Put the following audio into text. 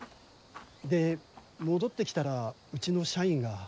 で戻って来たらうちの社員が。